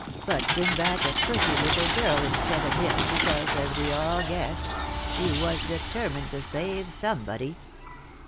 but bring back a pretty little girl instead of him, because, as we all guessed, she was determined to save somebody."